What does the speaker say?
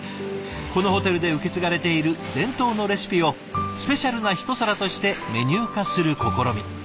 このホテルで受け継がれている伝統のレシピをスペシャルなひと皿としてメニュー化する試み。